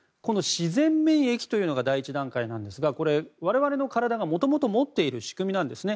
自然免疫というのが第１段階なんですがこれ我々の体がもともと持っている仕組みなんですね。